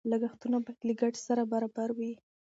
لګښتونه باید له ګټې سره برابر وي.